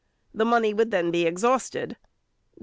The money would then be exhausted ; i.